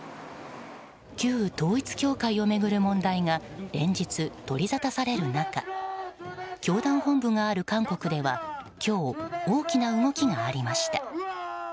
旧統一教会を巡る問題が連日、取りざたされる中教団本部がある韓国では今日、大きな動きがありました。